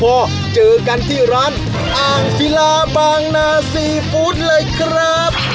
พอเจอกันที่ร้านอ่างศิลาบางนาซีฟู้ดเลยครับ